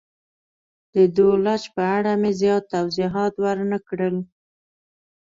د دولچ په اړه مې زیات توضیحات ور نه کړل.